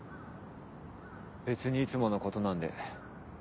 別にいつものことなんで。